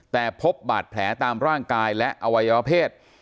แต่พบบาดแผลตามร่างกายและอวัยวเพศ